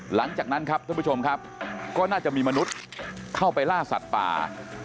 หลังจากนั้นครับท่านผู้ชมครับก็น่าจะมีมนุษย์เข้าไปล่าสัตว์ป่า